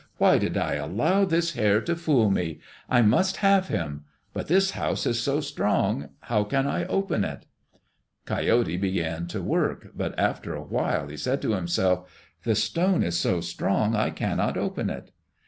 Why did I allow this Hare to fool me? I must have him. But this house is so strong, how can I open it?" Coyote began to work, but after a while he said to himself, "The stone is so strong I cannot open it."